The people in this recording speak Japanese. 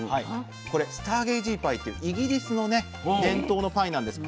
これスターゲイジーパイというイギリスのね伝統のパイなんです。